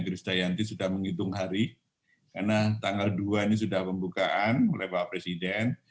kris dayanti sudah menghitung hari karena tanggal dua ini sudah pembukaan oleh bapak presiden